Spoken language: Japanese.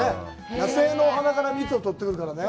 野生のお花から蜜をとってくるからね。